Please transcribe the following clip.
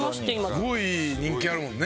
すごい人気あるもんね。